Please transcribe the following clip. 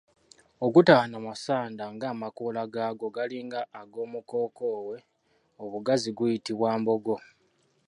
Ogutaba na masanda ng'amakoola gaagwo galinga ag'omukookoowe obugazi guyitibwa mbogo.